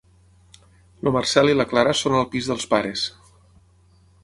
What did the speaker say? El Marcel i la Clara són al pis dels pares.